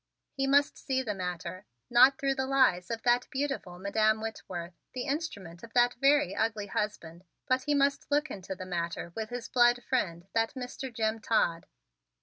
He must see the matter, not through the lies of that beautiful Madam Whitworth, the instrument of that very ugly husband, but he must look into the matter with his blood friend, that Mr. Jim Todd.